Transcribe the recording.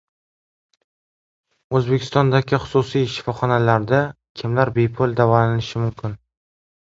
O‘zbekistondagi xususiy shifoxonalarda kimlar bepul davolanishi mumkin?